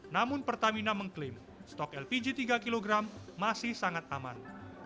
namun pertamina mengklaim stok lpg tiga kg masih sangat aman